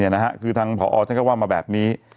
นี่คือทางผอฉันก็ว่ามาแบบนี้